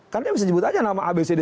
kan dia bisa sebut aja nama abcd